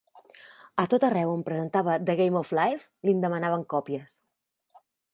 A tot arreu on presentava "The Game of Life", li'n demanaven còpies.